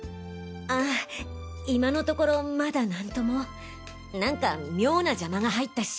あぁ今のところまだ何ともなんか妙な邪魔が入ったし。